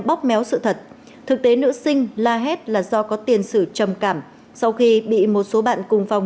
bóp méo sự thật thực tế nữ sinh la hét là do có tiền sử trầm cảm sau khi bị một số bạn cùng phòng